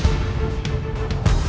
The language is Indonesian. ibu mau pilih